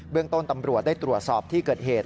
เรื่องต้นตำรวจได้ตรวจสอบที่เกิดเหตุ